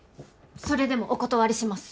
それでもお断りします